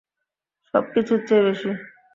সবকিছুর চেয়ে বেশী!